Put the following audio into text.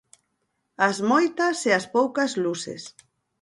As moitas e as poucas luces.